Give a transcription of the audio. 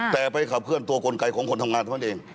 แต่ไปขับเคลื่อนตัวกลไกของคนทำงานเท่านั้นเอง